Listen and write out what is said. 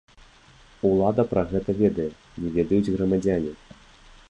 Улада пра гэта ведае, не ведаюць грамадзяне.